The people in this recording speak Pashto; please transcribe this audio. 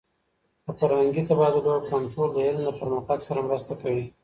د فرهنګي تبادلو کنټرول د علم د پرمختګ سره مرسته کوي.